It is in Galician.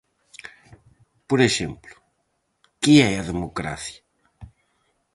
Por exemplo, que é a democracia?